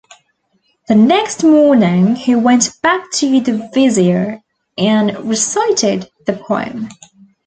The next morning he went back to the vizier and recited the poem.